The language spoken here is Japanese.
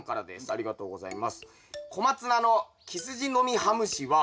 ありがとうございます。